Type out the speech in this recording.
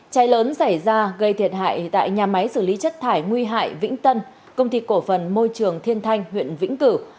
cháy lớn xảy ra gây thiệt hại tại nhà máy xử lý chất thải nguy hại vĩnh tân công ty cổ phần môi trường thiên thanh huyện vĩnh cửu